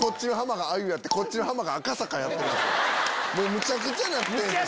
むちゃくちゃなってんすよ